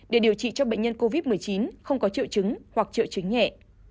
để điều trị cho bệnh nhân covid một mươi chín không có triệu chứng hoặc triệu chứng nhẹ